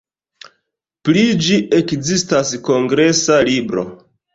Pri ĝi ekzistas kongresa libro.